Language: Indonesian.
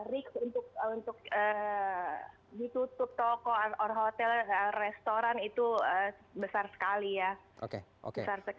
riks untuk ditutup toko atau hotel restoran itu besar sekali